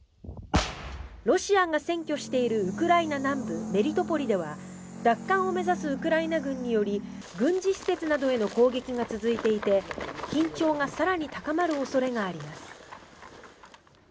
ロシアが占拠しているウクライナ南部メリトポリでは奪還を目指すウクライナ軍により軍事施設などへの攻撃が続いていて緊張が更に高まる恐れがあります。